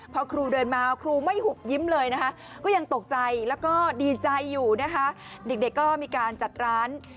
พอครูเดินมาครูไม่หุบยิ้มเลยนะคะ